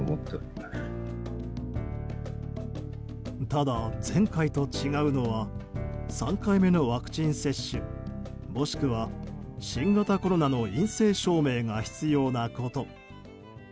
ただ、前回と違うのは３回目のワクチン接種もしくは新型コロナの陰性証明が必要なこと。